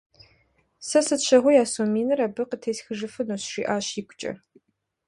Сэ сыт щыгъуи а сом миныр абы къытесхыжыфынущ, - жиӀэщ игукӀэ.